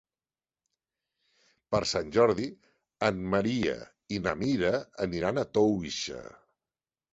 Per Sant Jordi en Maria i na Mira aniran a Toixa.